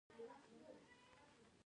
د غاښونو تار ولې کارول کیږي؟